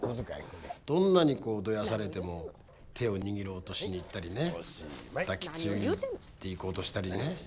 どんなにどやされても手を握ろうとしにいったりね抱きついていこうとしたりね。